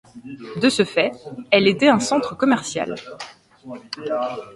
De ce fait elle était un centre commercial.